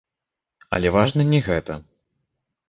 Але важна не гэта.